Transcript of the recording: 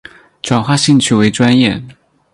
转化兴趣为专业